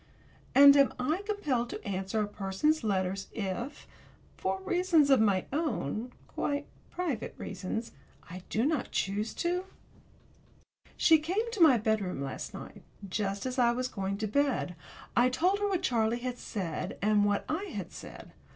And am I compelled to answer a person's letters if, for reasons of my own quite private reasons I do not choose to? She came to my bedroom last night, just as I was going to bed. I told her what Charlie had said, and what I had said.